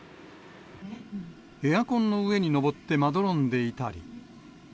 エアコンの上に登ってまどろんでいたり。